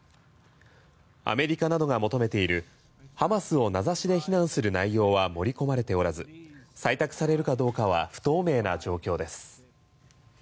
アメリカなどが求めているハマスを名指しで非難する内容は盛り込まれておらず採択されるかどうかは不透明な状況です。